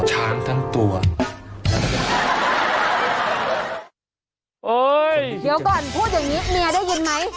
เดี๋ยวก่อนพูดอย่างงี้เมียได้ยินไหม